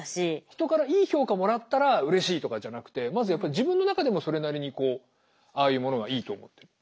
人からいい評価もらったらうれしいとかじゃなくてまずやっぱり自分の中でもそれなりにああいうものがいいと思ってる？